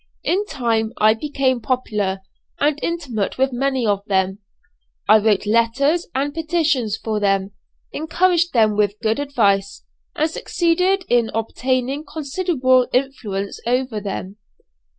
In time I became popular, and intimate with many of them. I wrote letters and petitions for them, encouraged them with good advice, and succeeded in obtaining considerable influence over them.